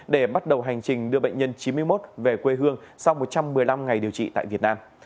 để bắt đầu hành trình đưa bệnh nhân chín mươi một về quê hương sau một trăm một mươi năm ngày điều trị tại việt nam